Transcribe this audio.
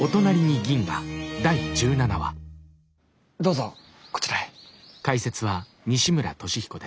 どうぞこちらへ。